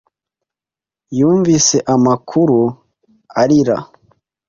Yumvise amakuru arira.